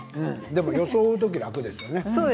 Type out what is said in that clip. でもよそうとき楽ですよね。